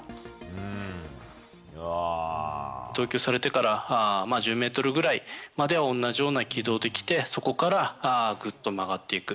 投球されてから１０メートルぐらいまでは同じような軌道で来て、そこからぐっと曲がっていく。